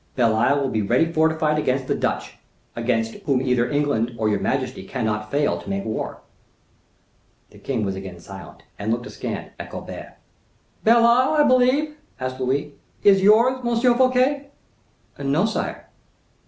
Belle Isle will be ready fortified against the Dutch, against whom either England or your majesty cannot fail to make war." The king was again silent, and looked askant at Colbert. "Belle Isle, I believe," added Louis, "is yours, M. Fouquet?" "No, sire."